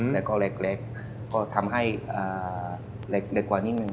แล้วก็เล็กก็ทำให้เด็กกว่านิดนึง